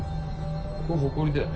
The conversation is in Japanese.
これホコリだよね